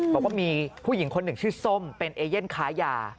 บอกว่ามีผู้หญิงคนหนึ่งชื่อส้มเป็นเอเย่นค้ายา